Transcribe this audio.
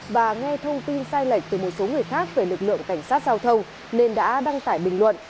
và nghe thông tin sai lệch từ một số người khác về lực lượng cảnh sát giao thông nên đã đăng tải bình luận